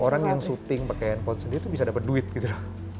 orang yang syuting pakai handphone sendiri itu bisa dapat duit gitu